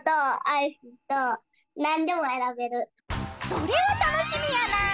それはたのしみやな！